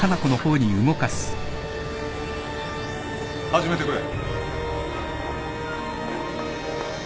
始めてくれ。